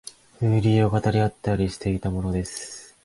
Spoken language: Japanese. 風流を語り合ったりしていたものです